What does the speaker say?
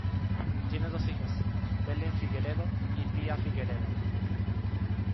Tiene dos hijas, Belen Figueredo y Pia Figueredo.